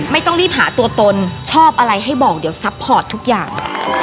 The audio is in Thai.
ไม่ต้องรีบหาตัวตนชอบอะไรให้บอกเดี๋ยวซัพพอร์ตทุกอย่าง